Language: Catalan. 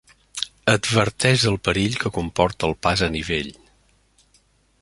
Adverteix del perill que comporta el pas a nivell.